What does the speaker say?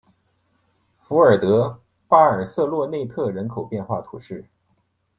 福孔德巴尔瑟洛内特人口变化图示